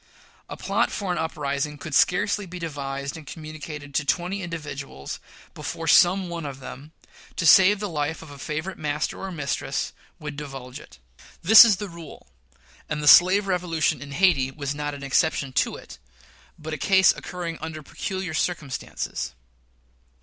A plot for an uprising could scarcely be devised and communicated to twenty individuals before some one of them, to save the life of a favorite master or mistress, would divulge it. This is the rule; and the slave revolution in Hayti was not an exception to it, but a case occurring under peculiar circumstances.